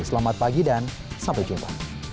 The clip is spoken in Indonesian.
selamat pagi dan sampai jumpa